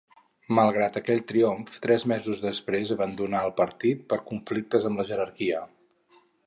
Malgrat aquell triomf, tres mesos després abandonà el partit per conflictes amb la jerarquia.